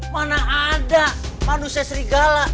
mana ada manusia serigala